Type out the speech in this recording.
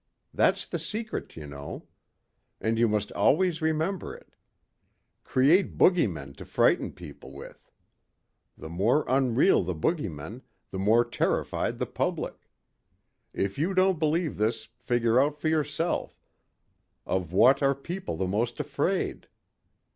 That's the secret, you know. And you must always remember it. Create bogeymen to frighten people with. The more unreal the bogeymen, the more terrified the public. If you don't believe this figure out for yourself of what are people the most afraid?